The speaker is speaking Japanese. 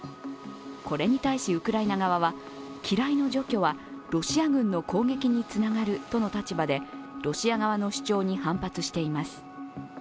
これに対しウクライナ側は、機雷の除去はロシア軍の攻撃につながるとの立場でロシア側の主張に反発しています。